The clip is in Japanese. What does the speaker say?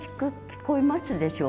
聞こえます。